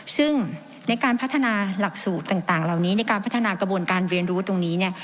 ซึ่งในการพัฒนาหลักสูตรต่างเหล่านี้ในการพัฒนากระบวนการเรียนรู้ตรงนี้เนี่ย